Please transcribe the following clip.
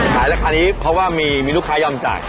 คราวนี้เพราะว่ามีลูกค้ายอมจ่าย